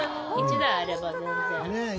１台あれば全然。